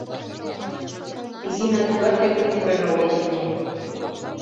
«Изина тӱгат лектын пурен огыл, витне.